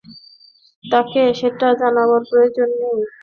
তাকে সেটা জানাবার প্রয়োজন নেই।